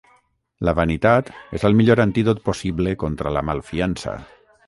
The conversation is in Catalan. La vanitat és el millor antídot possible contra la malfiança.